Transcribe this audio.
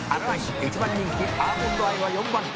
「１番人気アーモンドアイは４番手」